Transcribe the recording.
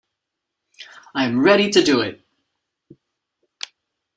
I am ready to do it.